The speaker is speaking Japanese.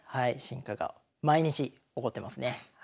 進化が毎日起こってますね。